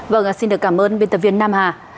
vâng xin được cảm ơn biên tập viên nam hà